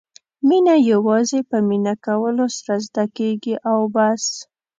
مینه یوازې په مینه کولو سره زده کېږي او بس.